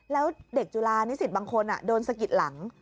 แล้วเด็กจุฬานิสิตบางคนโดนสะกิดหลัง